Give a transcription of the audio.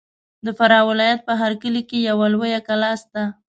د فراه ولایت په هر کلي کې یوه لویه کلا سته.